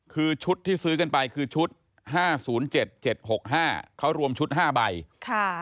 คือชุดที่ซื้อกันไปคือชุดห้าศูนย์เจ็ดเจ็ดหกห้าเขารวมชุดห้าใบค่ะ